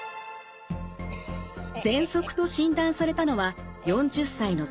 ぜんそくと診断されたのは４０歳の時。